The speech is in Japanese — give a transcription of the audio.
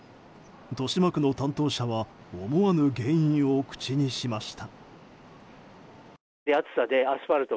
豊島区の担当者は思わぬ原因を口にしました。